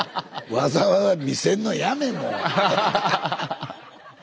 わざわざ見せんのやめもう。